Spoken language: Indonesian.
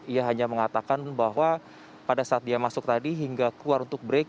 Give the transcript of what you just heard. ia hanya mengatakan bahwa pada saat dia masuk tadi hingga keluar untuk break